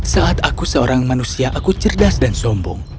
saat aku seorang manusia aku cerdas dan sombong